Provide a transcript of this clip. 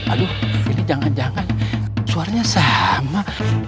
aduh jadi jangan jangan suaranya sama